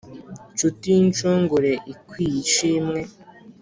Nshuti y'inshongore ikwiye ishimwe